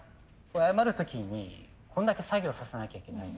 これ謝る時にこんだけ作業させなきゃいけない。